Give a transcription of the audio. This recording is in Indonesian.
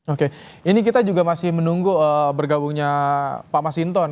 oke ini kita juga masih menunggu bergabungnya pak masinton